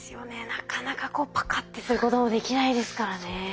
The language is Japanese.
なかなかこうパカッてすることもできないですからね。